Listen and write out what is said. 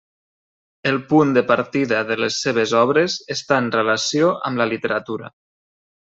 El punt de partida de les seves obres està en relació amb la literatura.